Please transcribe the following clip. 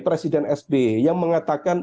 presiden sbe yang mengatakan